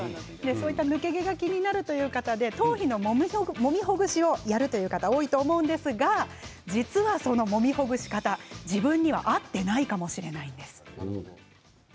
抜け毛が気になるという方で頭皮のもみほぐしをやるという方、多いと思いますがその、もみほぐし方、自分には合っていないかもしれないんです。